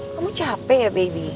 kamu capek ya baby